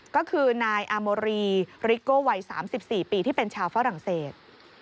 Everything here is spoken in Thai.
ก็คือนายอาโมรีริโก้วัย๓๔ปีที่เป็นชาวฝรั่งเศส